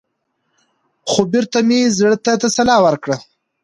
خـو بـېرته مـې زړه تـه تـسلا ورکړه.